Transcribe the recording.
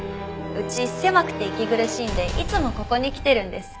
うち狭くて息苦しいんでいつもここに来てるんです。